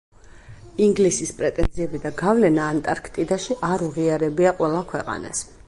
ინგლისის პრეტენზიები და გავლენა ანტარქტიდაში არ უღიარებია ყველა ქვეყანას.